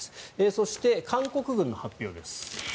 そして、韓国軍の発表です。